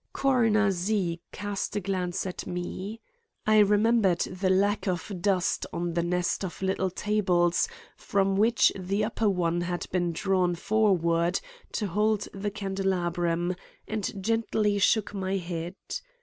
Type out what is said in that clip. Coroner Z. cast a glance at me. I remembered the lack of dust on the nest of little tables from which the upper one had been drawn forward to hold the candelabrum, and gently shook my head.